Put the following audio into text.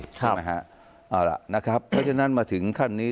เพราะฉะนั้นมาถึงขั้นนี้